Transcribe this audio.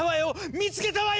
見つけたわよ。